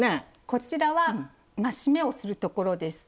こちらは「増し目」をするところです。